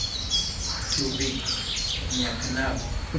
Ĉu vi, mia knabo?